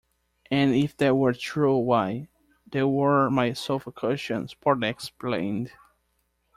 And if that were true — why, there were my sofa cushions partly explained.